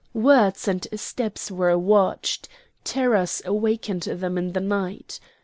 Words and steps were watched; terrors awaked them in the night.